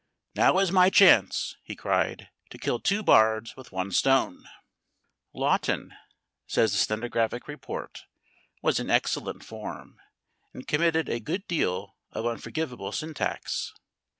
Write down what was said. "Now is my chance," he cried, "to kill two bards with one stone." Lawton, says the stenographic report, was in excellent form, and committed a good deal of unforgivable syntax.